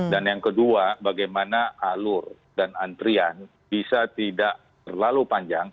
dan yang kedua bagaimana alur dan antrian bisa tidak terlalu panjang